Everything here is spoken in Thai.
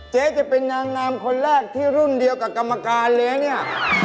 เจ๊จะเป็นนางงามคนแรกที่รุ่นเดียวกับกรรมการเลยนะเนี่ย